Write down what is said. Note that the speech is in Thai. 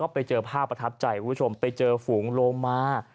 ไปเจอภาพประทับใจคุณผู้ชมไปเจอฝูงโลมา